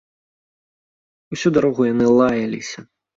Усю дарогу яны лаяліся.